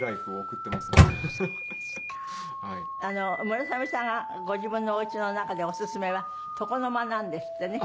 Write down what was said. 村雨さんがご自分のお家の中でオススメは床の間なんですってね。